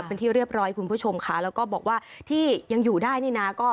เป็นที่เรียบร้อยคุณผู้ชมค่ะแล้วก็บอกว่าที่ยังอยู่ได้นี่นะก็